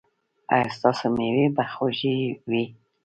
ایا ستاسو میوې به خوږې وي؟